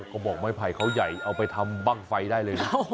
กระบอกไม้ไผ่เขาใหญ่เอาไปทำบ้างไฟได้เลยนะ